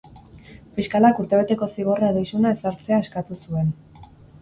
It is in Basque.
Fiskalak urtebeteko zigorra edo isuna ezartzea eskatu zuen.